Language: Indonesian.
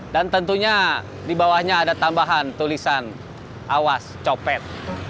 dan tentunya di bawahnya ada tambahan tulisan awas copet